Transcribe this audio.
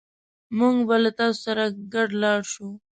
موږ به له تاسو سره ګډ لاړ شو